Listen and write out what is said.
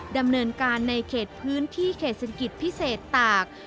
ดำเนินการในเขตพื้นที่เขตเศรษฐกิจพิเศษตาก